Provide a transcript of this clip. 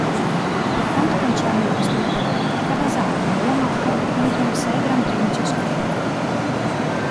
Per quanto concerne i costruttori, Kawasaki e Yamaha vincono sei Gran Premi ciascuna.